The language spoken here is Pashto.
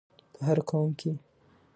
په هر قوم کې